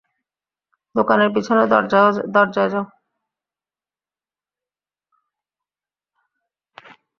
দোকানের পিছনে দরজায় যাও।